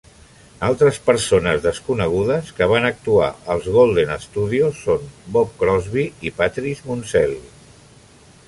Altres persones desconegudes que van actuar als Golden Studios són Bob Crosby i Patrice Munsel.